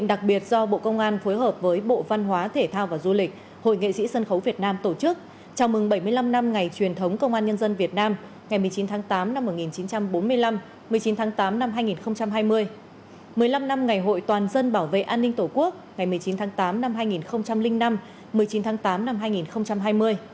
đặc biệt do bộ công an phối hợp với bộ văn hóa thể thao và du lịch hội nghệ sĩ sân khấu việt nam tổ chức chào mừng bảy mươi năm năm ngày truyền thống công an nhân dân việt nam ngày một mươi chín tháng tám năm một nghìn chín trăm bốn mươi năm một mươi chín tháng tám năm hai nghìn hai mươi một mươi năm năm ngày hội toàn dân bảo vệ an ninh tổ quốc ngày một mươi chín tháng tám năm hai nghìn năm một mươi chín tháng tám năm hai nghìn hai mươi